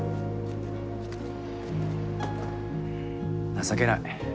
情けない。